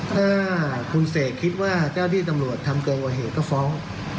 ถ้าคุณเสกคิดว่าเจ้าที่ตำรวจทำเกินกว่าเหตุก็ฟ้อง